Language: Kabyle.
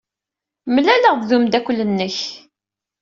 Mlaleɣ-d ed umeddakel-nnek.